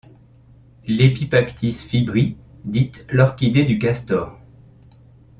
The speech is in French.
L'Epipactis fibri dite l'orchidée du castor.